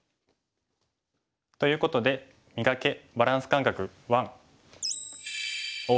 ということで「磨け！バランス感覚１」。